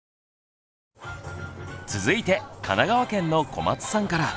続いて神奈川県の小松さんから。